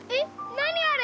何あれ？